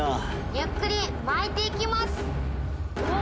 ゆっくり巻いていきます。